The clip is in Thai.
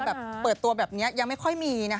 แต่ว่าถ้าเปิดตัวอย่างนี้ยังไม่ค่อยมี